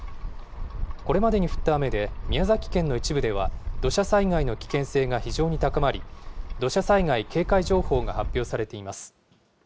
これまでに降った雨で、宮崎県の一部では土砂災害の危険性が非常に高まり、土砂災害警戒情報が発表されています。